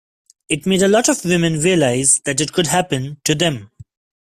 It made a lot of women realize that it could happen to them.